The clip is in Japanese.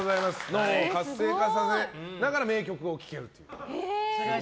脳を活性化させながらだから名曲を聴けると。